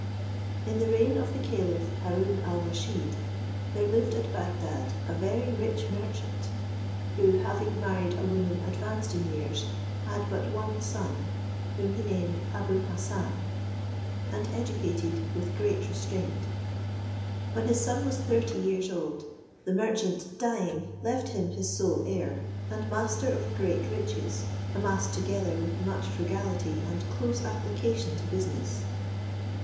In the reign of the caliph Haroon al Rusheed, there lived at Bagdad a very rich merchant, who, having married a woman advanced in years, had but one son, whom he named Abou Hassan, and educated with great restraint: when his son was thirty years old, the merchant dying, left him his sole heir, and master of great riches, amassed together by much frugality and close application to business.